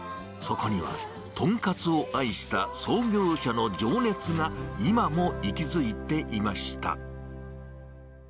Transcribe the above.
そこにはとんかつを愛した創業者の情熱が今も息づいていました。